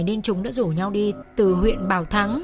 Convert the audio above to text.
nên chúng đã rủ nhau đi từ huyện bảo thắng